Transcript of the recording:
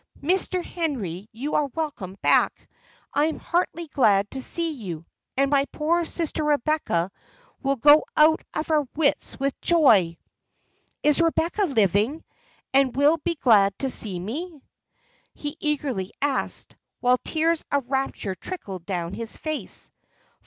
Mr. Henry, you are welcome back. I am heartily glad to see you, and my poor sister Rebecca will go out of her wits with joy." "Is Rebecca living, and will be glad to see me?" he eagerly asked, while tears of rapture trickled down his face.